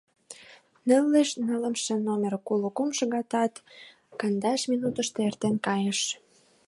Нылле нылымше номер коло кум шагатат кандаш минутышто эртен кайыш.